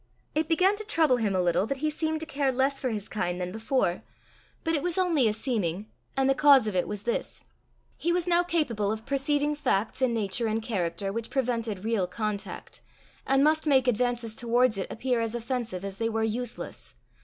It began to trouble him a little that he seemed to care less for his kind than before; but it was only a seeming, and the cause of it was this: he was now capable of perceiving facts in nature and character which prevented real contact, and must make advances towards it appear as offensive as they were useless.